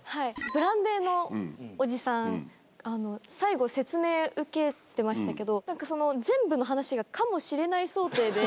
ブランデーのおじさん、最後、説明受けてましたけど、なんかその、全部の話がかもしれない想定で。